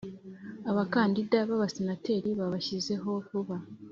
abakandida b abasenateri babashyizeho vuba